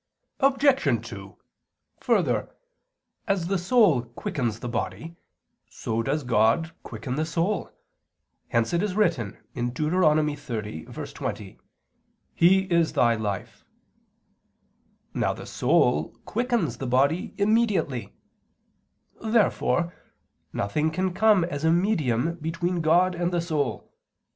Obj. 2: Further, as the soul quickens the body so does God quicken the soul; hence it is written (Deut. 30:20): "He is thy life." Now the soul quickens the body immediately. Therefore nothing can come as a medium between God and the soul.